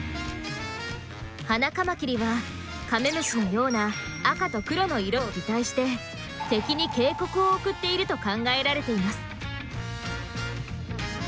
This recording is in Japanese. ハナカマキリはカメムシのような赤と黒の色を擬態して敵に警告を送っていると考えられています。